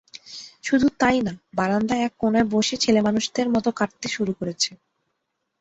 শুধু তাই না-বারান্দার এক কোণায় বসে ছেলেমানুষের মতো কাঁদতে শুরু করেছে।